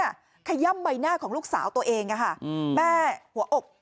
ขย่ำใบหน้าของลูกสาวตัวเองแม่หัวอก